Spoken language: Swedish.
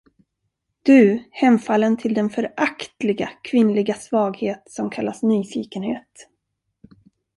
Du hemfallen till den föraktliga kvinnliga svaghet, som kallas nyfikenhet!